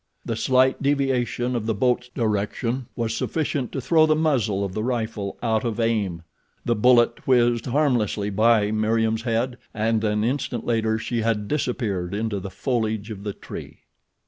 The slight deviation of the boat's direction was sufficient to throw the muzzle of the rifle out of aim. The bullet whizzed harmlessly by Meriem's head and an instant later she had disappeared into the foliage of the tree.